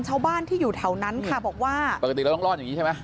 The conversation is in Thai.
ชาวบ้านที่อยู่แถวนั้นค่ะบอกว่าปกติเราต้องรอดอย่างนี้ใช่ไหม